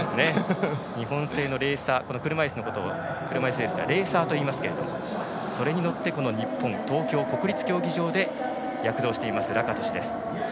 日本製のレーサー車いすのことを車いすレースではレーサーといいますがそれに乗って日本、東京・国立競技場で躍動しています、ラカトシュです。